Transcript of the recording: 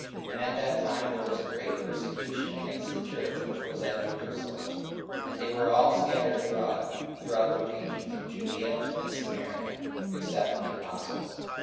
And at that time there was a great persecution against the church which was at Jerusalem; and they were all scattered abroad throughout the regions of Judaea and Samaria, except the apostles.